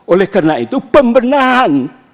oleh karena itu pembenahan